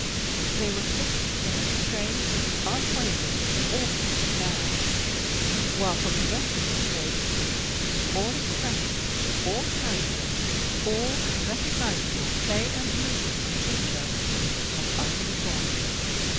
They were fixed in a strange, unwavering, awful stare, while, from the rest of his face, all expression, all character, all recognizable play and movement of feature, had utterly gone.